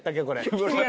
これ。